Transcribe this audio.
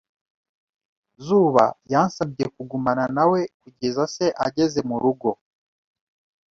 Zuba yansabye kugumana na we kugeza se ageze mu rugo.